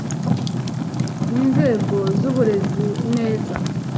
n’inzego z’uburezi neza